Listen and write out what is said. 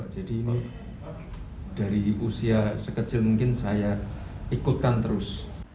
jadi dari usia sekecil mungkin saya ikutkan terus